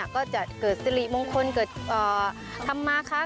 ก็จะเกิดสิริมงคลเกิดธรรมาคะ